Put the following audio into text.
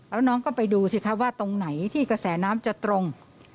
แล้วน้องก็ไปดูสิคะว่าตรงไหนที่กระแสน้ำจะตรง